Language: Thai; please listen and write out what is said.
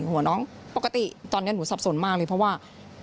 หัวน้องปกติตอนนี้หนูสับสนมากเลยเพราะว่า